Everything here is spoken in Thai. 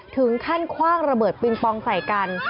ถึงขั้นคว่างระเบิดปิงปองใส่กัน